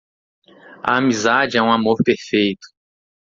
A amizade é um amor perfeito.